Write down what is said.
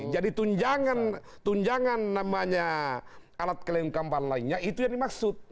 jadi tunjangan namanya alat kelembagaan lainnya itu yang dimaksud